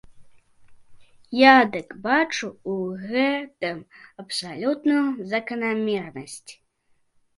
Я дык бачу ў гэтым абсалютную заканамернасць.